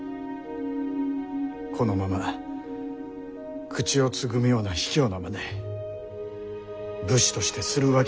このまま口をつぐむような卑怯なまね武士としてするわけには。